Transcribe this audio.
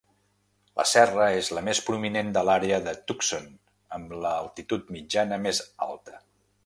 La serra és la més prominent de l'àrea de Tucson amb l'altitud mitjana més alta.